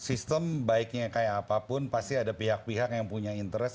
sistem baiknya kayak apapun pasti ada pihak pihak yang punya interest